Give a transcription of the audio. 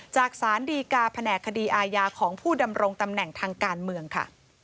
จากสารดีกาแผนกคดีอาญาของผู้ดำรงตำแหน่งทางการเมืองค่ะ